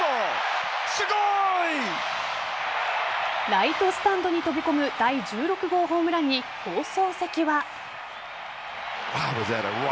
ライトスタンドに飛び込む第１６号ホームランに放送席は。